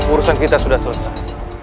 urusan kita sudah selesai